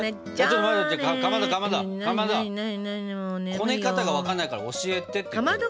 こね方が分かんないから教えてって言ってるの。